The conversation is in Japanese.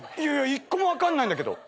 一個も分かんないんだけど。